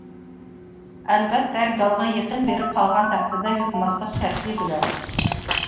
ئەلۋەتتە گالغا يېقىن بېرىپ قالغان تەقدىردە يۇتماسلىق شەرتى بىلەن.